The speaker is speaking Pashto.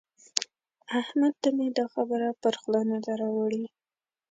احمد ته مې دا خبره پر خوله نه ده راوړي.